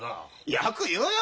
よく言うよ！